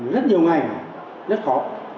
rất nhiều ngày mà rất khó